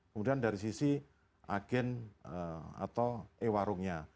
kemudian dari sisi agen atau ewarungnya